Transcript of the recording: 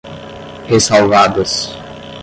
ressalvadas